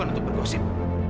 bukan untuk bergosip